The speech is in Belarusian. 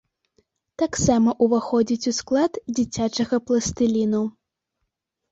Таксама ўваходзіць у склад дзіцячага пластыліну.